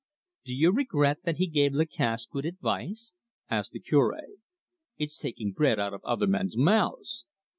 "Do you regret that he gave Lacasse good advice?" asked the Cure. "It's taking bread out of other men's mouths."